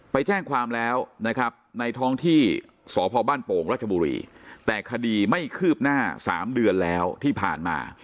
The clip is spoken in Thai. ไปแจ้งความแล้วนะครับในท้องที่สพบ้านโป่งรัชบุรีแต่คดีไม่คืบหน้า๓เดือนแล้วที่ผ่านมา